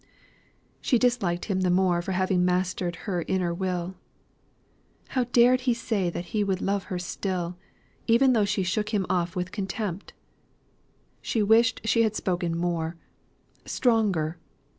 She disliked him the more for having mastered her inner will. How dared he say that he would love her still, even though she shook him off with contempt? She wished she had spoken more stronger.